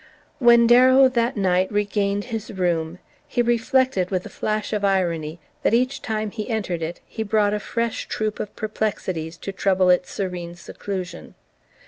When Darrow, that night, regained his room, he reflected with a flash of irony that each time he entered it he brought a fresh troop of perplexities to trouble its serene seclusion.